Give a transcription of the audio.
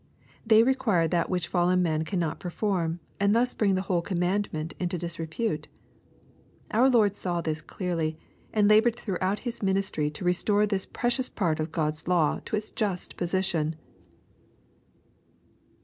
They require that which fallen man cannot perform, and thus bring the whole commandment into disrepute. Our Lord saw this clearly, and labored throughout His ministry to re store this precious part of God's law to its just position.